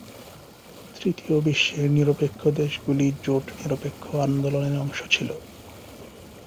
তৃতীয় বিশ্বের নিরপেক্ষ দেশগুলি জোট নিরপেক্ষ আন্দোলনের অংশ ছিল।